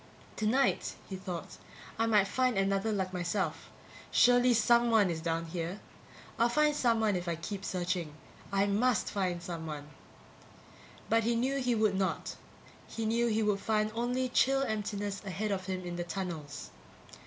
Tonight, he thought, I might find another like myself. Surely, someone is down here; I'll find someone if I keep searching. I must find someone! But he knew he would not. He knew he would find only chill emptiness ahead of him in the tunnels.